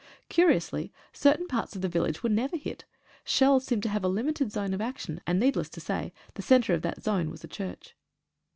Curiously, certain parts of the village were never hit. Shells seem to have a limited zone of action, and, needless to say, the centre of that zone was a church.